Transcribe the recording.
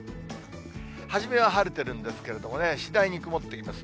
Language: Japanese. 初めは晴れてるんですけれどもね、次第に曇ってきます。